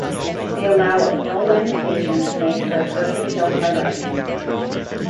They allow of no lamentation made for a person killed by lightning.